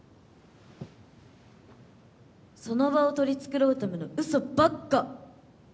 その場を取り繕うためのうそばっか！